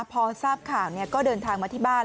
พอทราบข่าวก็เดินทางมาที่บ้าน